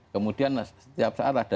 kemudian setiap saat